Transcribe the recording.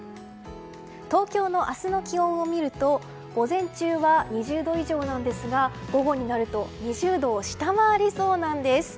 東京の明日の気温を見ると午前中は２０度以上なんですが午後になると２０度を下回りそうなんです。